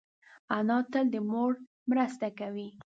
انا تل د مور مرسته کوي